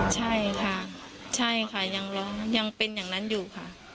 ใช่ค่ะยังเป็นอย่างนั้นอยู่ค่ะ